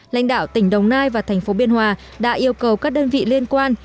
lãnh đạo tỉnh đồng nai và thành phố biên hòa đã yêu cầu các đơn vị liên quan